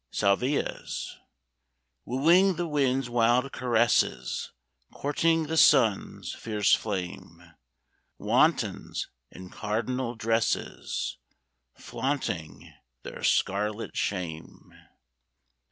Salvias Wooing the wind's wild caresses, Courting the sun's fierce flame Wantons in cardinal dresses Flaunting their scarlet shame.